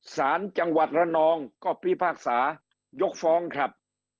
สารจังหวัดระนองก็พิพากษายกฟ้องครับ